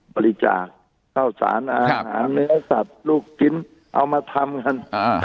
บริจาคข้าวสารอาหารเนื้อสัตว์ลูกชิ้นเอามาทำกัน